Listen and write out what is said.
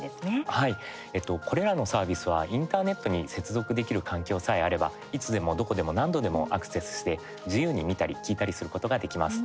はい、これらのサービスはインターネットに接続できる環境さえあればいつでも、どこでも何度でもアクセスして自由に見たり聞いたりすることができます。